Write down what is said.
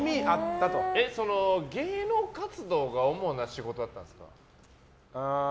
芸能活動が主な仕事だったんですか？